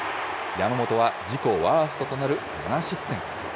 山本は自己ワーストとなる７失点。